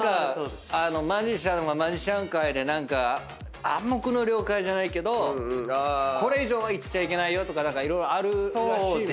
マジシャンはマジシャン界で暗黙の了解じゃないけどこれ以上は言っちゃいけないとか色々あるらしいですもんね。